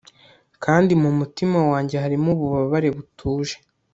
Kandi mumutima wanjye harimo ububabare butuje